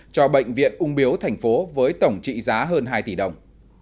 cho bệnh viện ung biếu tp với tổng trị giá hơn hai tỷ đồng